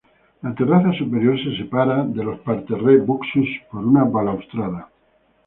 La terraza superior se separa de los parterres buxus por una balaustrada.